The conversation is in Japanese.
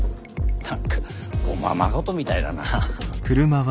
何かおままごとみたいだな。